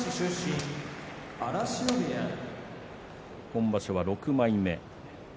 今場所は６枚目。